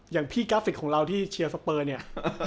อย่างพี่กราฟิกของเราที่เชียร์สเปอร์เนี่ย